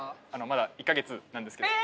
まだ１カ月なんですけど。